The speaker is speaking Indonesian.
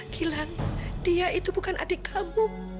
gilang dia itu bukan adik kamu